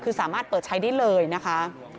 คือสามารถเปิดใช้ได้เลยนะคะ